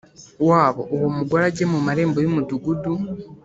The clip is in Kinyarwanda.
wabo uwo mugore ajye mu marembo y umudugudu